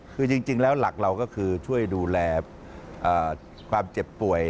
คือจริงแล้วหลักเราก็คือช่วยดูแลความเจ็บป่วย